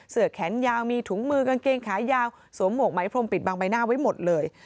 แขนยาวมีถุงมือกางเกงขายาวสวมหมวกไหมพรมปิดบางใบหน้าไว้หมดเลย